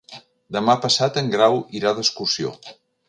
Demà passat en Grau irà d'excursió.